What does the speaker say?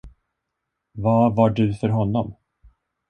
Vad var du för honom?